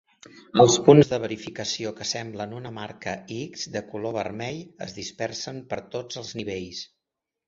Els punts de verificació que semblen una marca "X" de color vermell es dispersen per tots els nivells.